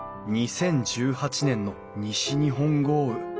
２０１８年の西日本豪雨。